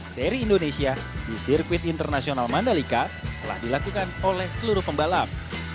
seri indonesia di sirkuit internasional mandalika telah dilakukan oleh seluruh pembalap